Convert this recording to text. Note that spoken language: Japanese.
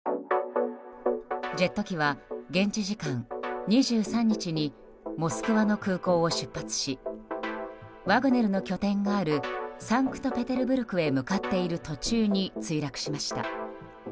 ジェット機は現地時間２３日にモスクワの空港を出発しワグネルの拠点があるサンクトペテルブルクへ向かっている途中に墜落しました。